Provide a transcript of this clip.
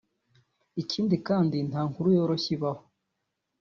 Ikindi kandi nta nkuru yoroshye ibaho